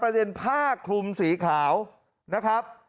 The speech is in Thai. ประเด็นผ้าคลุมสีขาวนะครับ